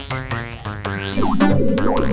di dapur juga gak ada